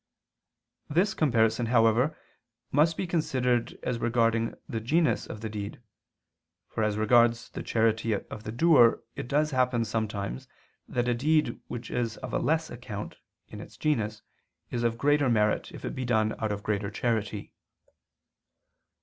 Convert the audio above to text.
This comparison, however, must be considered as regarding the genus of the deed; for as regards the charity of the doer it happens sometimes that a deed which is of less account in its genus is of greater merit if it be done out of greater charity.